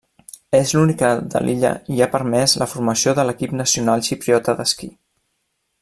És l'única de l'illa i ha permès la formació de l'equip nacional xipriota d'esquí.